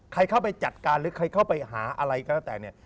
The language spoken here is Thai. ใครเข้าไปจัดการหรือใครเข้าไปหาอะไรก็แล้วแต่เนี่ย